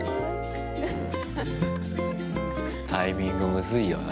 タイミング、ムズいよな。